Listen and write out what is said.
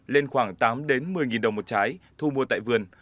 lên khoảng tám một mươi đồng một trái thu mua tại vườn